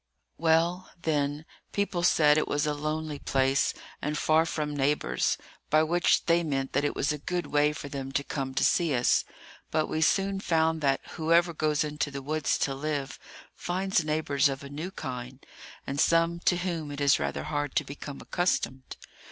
Well, then, people said it was a lonely place, and far from neighbours,—by which they meant that it was a good way for them to come to see us. But we soon found that whoever goes into the woods to live finds neighbours of a new kind, and some to whom it is rather hard to become accustomed.